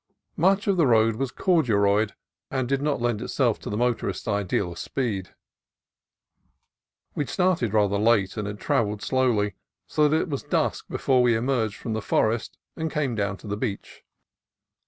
Much of the road was "corduroyed," and did not lend itself to the motorist's ideal of speed. We had started rather late, and had travelled slowly, so that it was dusk before we emerged from the forest and came down to the beach.